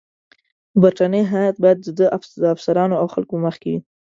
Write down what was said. د برټانیې هیات باید د ده د افسرانو او خلکو په مخ کې.